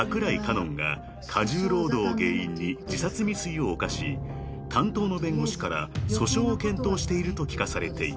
音が過重労働を原因に自殺未遂をおかし担当の弁護士から訴訟を検討していると聞かされていた］